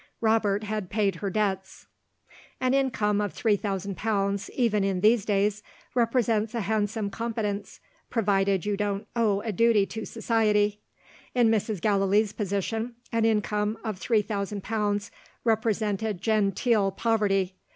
Robert had paid her debts. An income of three thousand pounds, even in these days, represents a handsome competence provided you don't "owe a duty to society." In Mrs. Gallilee's position, an income of three thousand pounds represented genteel poverty.